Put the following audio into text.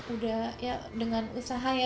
udah ya dengan usaha ya